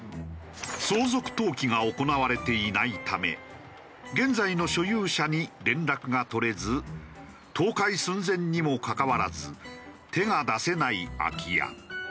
相続登記が行われていないため現在の所有者に連絡が取れず倒壊寸前にもかかわらず手が出せない空き家。